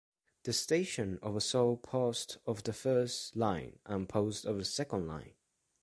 The stations oversaw posts of the first line and posts of the second line.